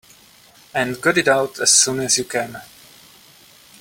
And got it out as soon as you can.